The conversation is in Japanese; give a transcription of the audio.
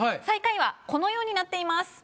最下位はこのようになっています。